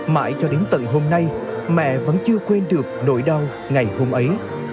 mãi cho đến tận hôm nay mẹ vẫn chưa quên được nỗi đau ngày hôm ấy